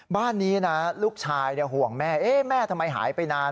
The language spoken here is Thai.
บ้านนี้นะลูกชายห่วงแม่แม่ทำไมหายไปนาน